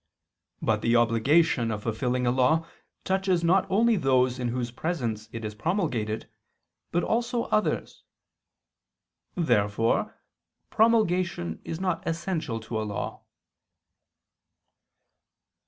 But the obligation of fulfilling a law touches not only those in whose presence it is promulgated, but also others. Therefore promulgation is not essential to a law.